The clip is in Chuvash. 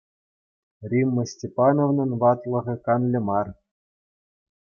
Римма Степановнӑн ватлӑхӗ канлӗ мар.